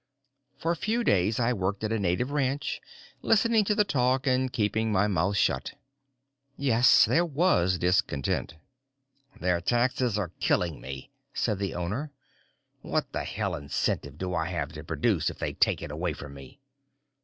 For a few days I worked at a native ranch, listening to the talk and keeping my mouth shut. Yes, there was discontent! "Their taxes are killing me," said the owner. "What the hell incentive do I have to produce if they take it away from me?"